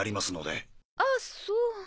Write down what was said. ああそう。